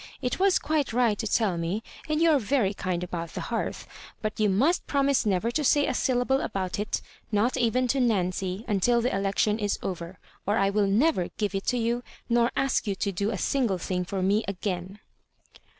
It was quite right to tell me, and you are yery kind* about the hearth ; but you must promise neyer to say a syllable about it, not eyen to Nancy, until the election is oyer; or I will neyer giye it you, nor ask you to do a single thing for me again."